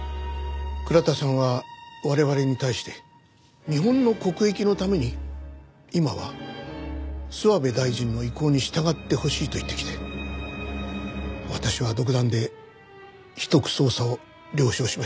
倉田さんは我々に対して日本の国益のために今は諏訪部大臣の意向に従ってほしいと言ってきて私は独断で秘匿捜査を了承しました。